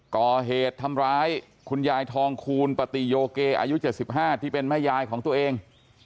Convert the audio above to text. ก่อเหตุทำร้ายคุณยายทองคูณปฏิโยเกอายุ๗๕ที่เป็นแม่ยายของตัวเอง